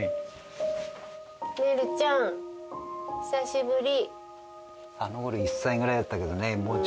メルちゃん久しぶり。